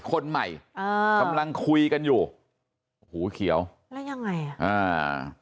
คนใหม่อ่ากำลังคุยกันอยู่หูเขียวแล้วยังไงอ่ะอ่า